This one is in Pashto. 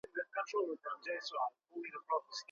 په کاغذ لیکل د سکرین له زیانونو مخنیوی کوي.